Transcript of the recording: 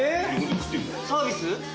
サービス